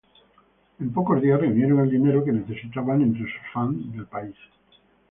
En pocos días reunieron el dinero que necesitaban entre sus fans del país.